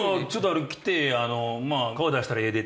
来て顔出したらええで！